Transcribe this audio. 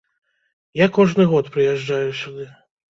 Я кожны год прыязджаю сюды.